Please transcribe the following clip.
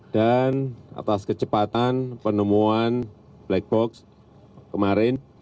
dan atas kecepatan penemuan black box kemarin